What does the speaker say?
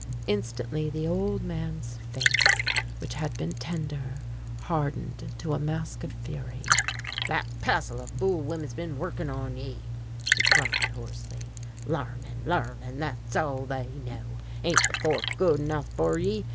Instantly the old man's face, which had been tender, hardened to a mask of fury. "That passel of fool women's been workin' on ye," he cried hoarsely, "larnin', larnin', thet's all they know. Ain't the Fork good enough fer ye?